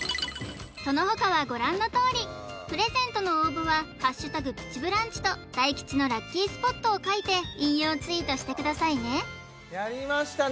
その他はご覧のとおりプレゼントの応募は「＃プチブランチ」と大吉のラッキースポットを書いて引用ツイートしてくださいねやりましたね